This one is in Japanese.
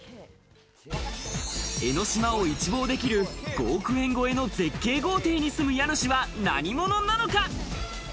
江の島を一望できる５億円超えの絶景豪邸に住む家主は何者なのか？